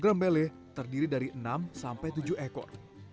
per kg lele terdiri dari enam sampai tujuh ekor